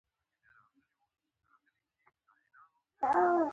حسن مبارک پر دغه هېواد څه باندې دېرش کاله حکومت کړی و.